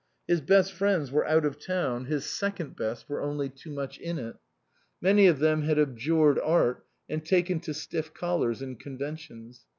His best friends were out of town, his second best were only too much in it. Many of them had abjured art and taken to stiff collars and conventions.